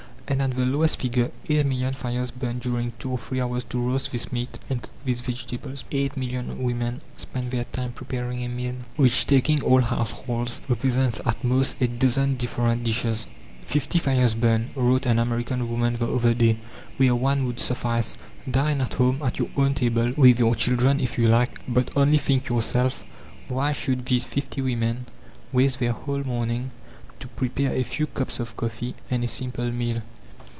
And at the lowest figure eight million fires burn during two or three hours to roast this meat and cook these vegetables; eight million women spend their time preparing a meal which, taking all households, represents at most a dozen different dishes. "Fifty fires burn," wrote an American woman the other day, "where one would suffice!" Dine at home, at your own table, with your children, if you like; but only think yourself, why should these fifty women waste their whole morning to prepare a few cups of coffee and a simple meal!